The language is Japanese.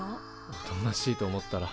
おとなしいと思ったら。